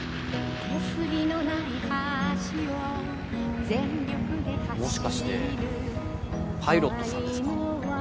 もしかしてパイロットさんですか？